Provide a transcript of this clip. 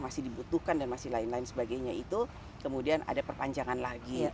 masih dibutuhkan dan masih lain lain sebagainya itu kemudian ada perpanjangan lagi